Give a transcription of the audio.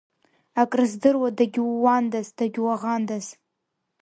Акрыздыруа дагьууандаз, дагьуаӷандаз!